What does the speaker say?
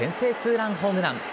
ランホームラン。